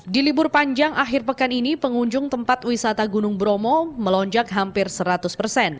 di libur panjang akhir pekan ini pengunjung tempat wisata gunung bromo melonjak hampir seratus persen